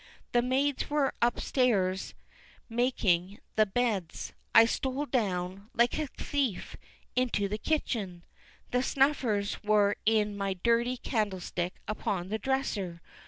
The maids were upstairs making the beds. I stole down, like a thief, into the kitchen. The snuffers were in my dirty candlestick upon the dresser.